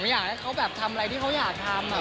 อยากให้เขาแบบทำอะไรที่เขาอยากทำ